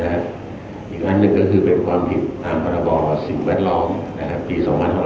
อย่างนั้นก็คือเป็นความผิดตามปฏิบัติสิ่งแวดล้อมปี๒๕๓๕